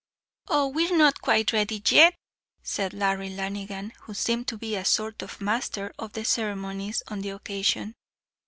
"Oh, we're not quite ready yit," said Larry Lanigan, who seemed to be a sort of master of the ceremonies on the occasion.